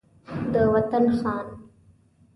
د وطن خان